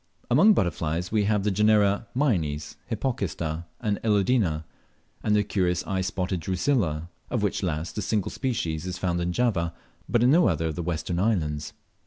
Among butterflies we have the genera Mynes, Hypocista, and Elodina, and the curious eye spotted Drusilla, of which last a single species is found in Java, but in no other of the western islands.